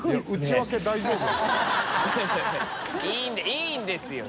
いいんですよ！